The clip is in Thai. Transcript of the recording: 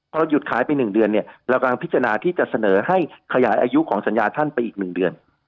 พอเราหยุดขายไป๑เดือนเนี่ยเรากำลังพิจารณาที่จะเสนอให้ขยายอายุของสัญญาท่านไปอีก๑เดือน